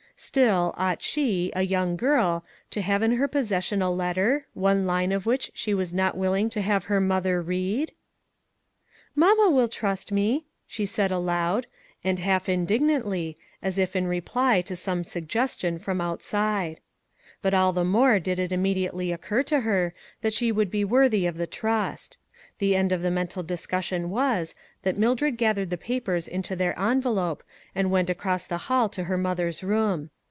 Still, ought she, a young girl, to have in her possession a letter, one line of which she was not willing to have her mother read ?" Mamma will trust me," she said aloud, and half indignantly, as if in reply to some suggestion from outside. But all the more did it immediately occur to her that she should be worthy of the trust. The end of the mental discussion was, that Mildred gathered the papers into their envelope and went across the hall to her mother's room.